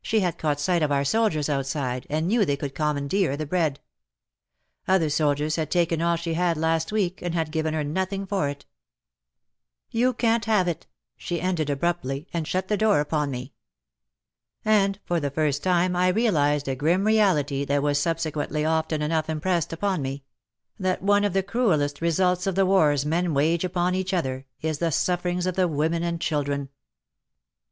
She had caught sight of our soldiers outside, and knew they could commandeer the bread. Other soldiers had taken all she had last week, and had given her nothing for it. •* You can't have it," she ended abruptly, and shut the door upon me. And for the first time I realized a grim reality that was subsequently often enough impressed upon me — that one of the cruellest results of the wars men wage upon each other, is the sufferings of the women and children.